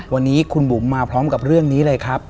วันนี้คุณบุ๋มมาพร้อมกับเรื่องนี้เลยครับ